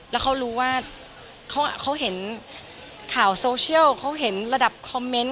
แล้วเขารู้ว่าเขาเห็นข่าวโซเชียลเขาเห็นระดับคอมเมนต์